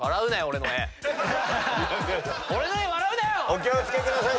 お気を付けください